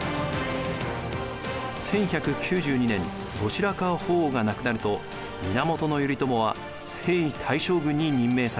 １１９２年後白河法皇が亡くなると源頼朝は征夷大将軍に任命されます。